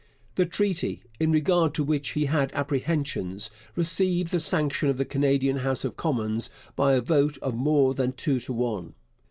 The treaty in regard to which he had apprehensions received the sanction of the Canadian House of Commons by a vote of more than two to one.